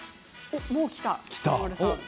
もうきた。